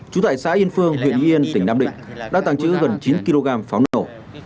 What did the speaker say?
chú tại xã yên phương huyện uyên tỉnh nam định đã tăng chữ gần chín kg pháo nổ